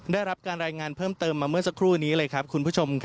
ได้รับการรายงานเพิ่มเติมมาเมื่อสักครู่นี้เลยครับคุณผู้ชม